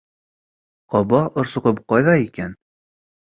Ҡаба орсоғом ҡайҙа икән?